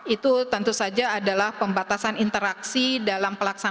itu tentu saja adalah pembatasan interaksi dalam pelaksanaan